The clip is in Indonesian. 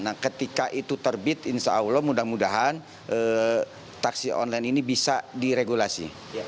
nah ketika itu terbit insya allah mudah mudahan taksi online ini bisa diregulasi